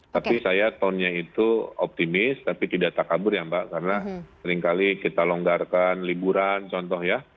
tapi saya tonnya itu optimis tapi tidak tak kabur ya mbak karena seringkali kita longgarkan liburan contoh ya